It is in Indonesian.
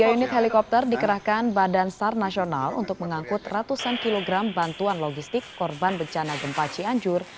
tiga unit helikopter dikerahkan badan sar nasional untuk mengangkut ratusan kilogram bantuan logistik korban bencana gempa cianjur